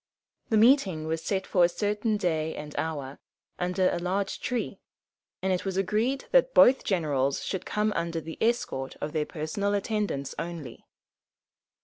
The meeting was set for a certain day and hour, under a large tree, and it was agreed that both generals should come under the escort of their personal attendants only.